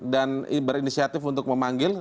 dan berinisiatif untuk memanggil